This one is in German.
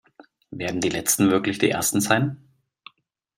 Werden die Letzten wirklich die Ersten sein?